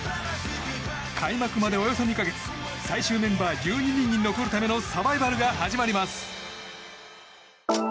開幕まで、およそ２か月最終メンバー１２人に残るためのサバイバルが始まります。